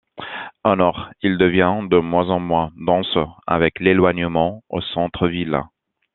Au nord, il devient de moins en moins dense avec l'éloignement au centre-ville.